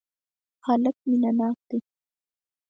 هلک مینه ناک دی.